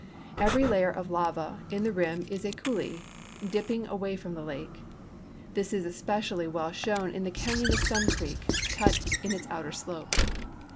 Every layer of lava in the rim is a coulee, dipping away from the lake. This is especially well shown in the canyon of Sun creek, cut in its outer slope.